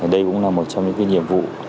đây cũng là một trong những nhiệm vụ